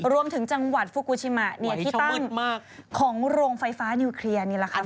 รวมถึงจังหวัดฟูกูชิมะที่ตั้งของโรงไฟฟ้านิวเคลียร์นี่แหละค่ะ